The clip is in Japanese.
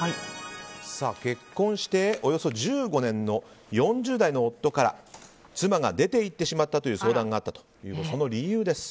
結婚しておよそ１５年の４０代の夫から妻が出て行ってしまったという相談があったというその理由です。